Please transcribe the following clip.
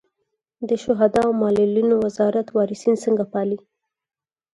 د شهدا او معلولینو وزارت وارثین څنګه پالي؟